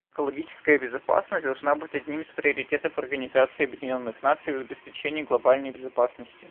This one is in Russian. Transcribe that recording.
Экологическая безопасность должна быть одним из приоритетов Организации Объединенных Наций в обеспечении глобальной безопасности.